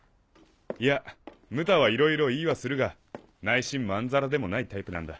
いやムタはいろいろ言いはするが内心まんざらでもないタイプなんだ。